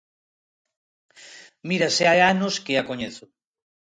Mira se hai anos que a coñezo.